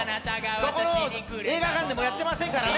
どこの映画館でもやってませんからね。